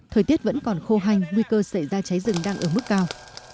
thời tiết vẫn còn khô hành nguy cơ xảy ra cháy rừng đang ở mức cao